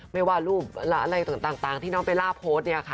ไม่ว่ารูปอะไรต่างที่น้องเบลล่าโพสต์เนี่ยค่ะ